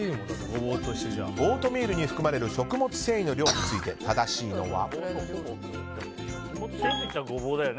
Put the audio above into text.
オートミールに含まれる食物繊維の量について正しいのは？